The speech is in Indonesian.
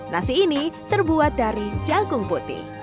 nasi ini terbuat dari jagung putih